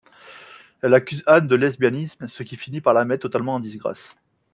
Elle accuse Anne de lesbianisme, ce qui finit par la mettre totalement en disgrâce.